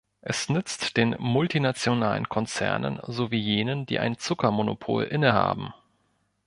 Es nützt den multinationalen Konzernen sowie jenen, die ein Zuckermonopol innehaben.